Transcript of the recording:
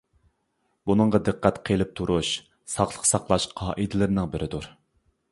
بۇنىڭغا دىققەت قېلىپ تۇرۇش ساقلىق ساقلاش قائىدىلىرىنىڭ بىرىدۇر.